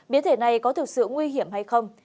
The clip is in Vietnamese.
biến thể này có thực sự nguy hiểm hay không